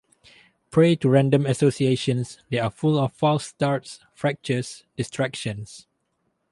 Prey to random associations, they are full of false starts, fractures, distractions.